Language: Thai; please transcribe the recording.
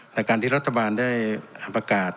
ในการที่รัฐบาลได้ประกาศ